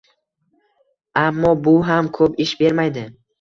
Ammo bu ham ko`p ish bermaydi